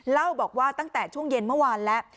เล่าบอกว่าตั้งแต่ช่วงเย็นเมื่อวานแล้ว